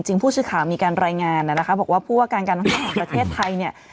จริงผู้ชื่อข่าวมีการรายงานนะคะบอกว่าผู้อาการการทางประเทศไทยเนี่ย